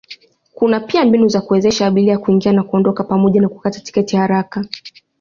Kuna pia mbinu za kuwezesha abiria kuingia na kuondoka pamoja na kukata tiketi haraka.